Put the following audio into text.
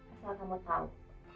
apa kamu tahu